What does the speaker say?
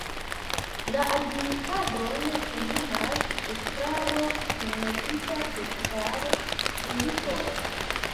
La administradon plenumas estraro kunmetita de kvar dungitoj.